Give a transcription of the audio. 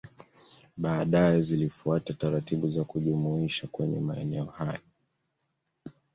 Baadae zilifuata taratibu za kujumuishwa kwenye maeneo hayo